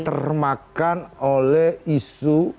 termakan oleh isu